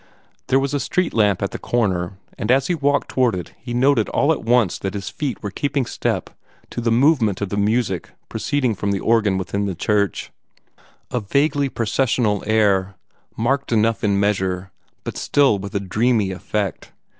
There was a street lamp at the corner, and as he walked toward it he noted all at once that his feet were keeping step to the movement of the music proceeding from the organ within the church a vaguely processional air, marked enough in measure, but still with a dreamy effect.